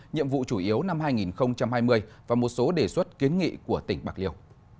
nhiệm vụ chủ yếu năm hai nghìn hai mươi và một số đề xuất kiến nghị của tỉnh bạc liêu